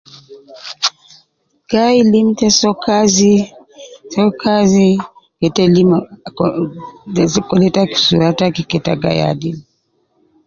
Gai lim te soo kazi, soo kazi ke ta lim ab ka de sokole taki sura taki ke ta gai adil